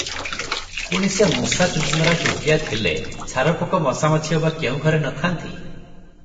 ପୁଣି ସେ ମୂଷା ଚୂଚୂନ୍ଦୁରା ଚୁଟିଆ ଥିଲେ ଛାରପୋକ ମଶାମାଛି ଅବା କେଉଁ ଘରେ ନ ଥାନ୍ତି?